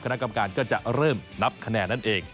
คณะกรรมการก็จะเริ่มนับคะแนนนั่นเอง